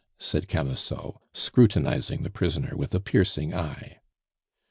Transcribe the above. said Camusot, scrutinizing the prisoner with a piercing eye.